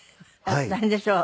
大変でしょう？